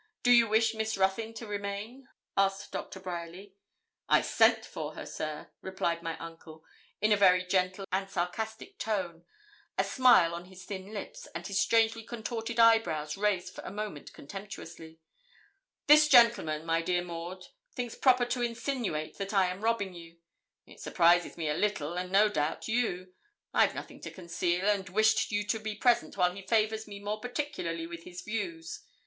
Do you wish Miss Ruthyn to remain?' asked Doctor Bryerly. 'I sent for her, sir,' replied my uncle, in a very gentle and sarcastic tone, a smile on his thin lips, and his strangely contorted eyebrows raised for a moment contemptuously. 'This gentleman, my dear Maud, thinks proper to insinuate that I am robbing you. It surprises me a little, and, no doubt, you I've nothing to conceal, and wished you to be present while he favours me more particularly with his views.